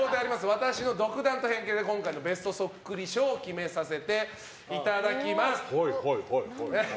私の独断と偏見で今回のベストそっくり賞を決めさせていただきます。